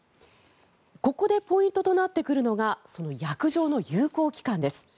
ここでポイントとなってくるのがその約定の有効期間です。